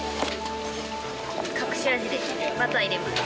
隠し味でバター入れます。